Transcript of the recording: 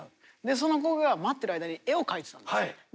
その子が待ってる間に絵を描いてたんです。